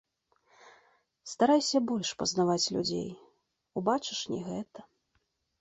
Старайся больш пазнаваць людзей, убачыш не гэта.